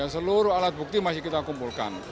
seluruh alat bukti masih kita kumpulkan